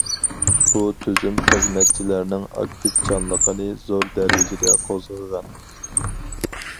بۇ تۈزۈم خىزمەتچىلەرنىڭ ئاكتىپچانلىقىنى زور دەرىجىدە قوزغىغان.